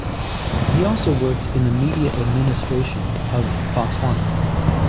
He also worked in the media administration of Botswana.